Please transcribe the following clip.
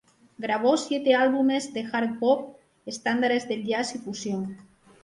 Grabó siete álbumes de Hard bop, estándares del jazz y fusión.